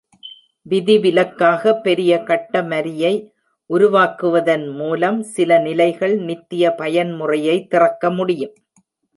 விதிவிலக்காக பெரிய கட்டமரியை உருவாக்குவதன் மூலம் சில நிலைகள் "நித்திய பயன்முறையை" திறக்க முடியும்.